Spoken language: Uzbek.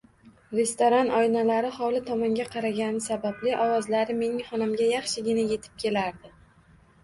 Restoran oynalari hovli tomonga qaragani sababli ovozlar mening xonamga yaxshigina yetib kelardi